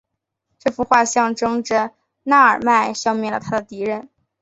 这幅画象征着那尔迈消灭了他的敌人。